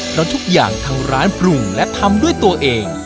เพราะทุกอย่างทางร้านปรุงและทำด้วยตัวเอง